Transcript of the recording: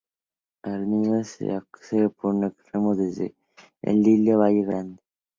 Al mismo se accede por un extremo desde el dique Valle Grande.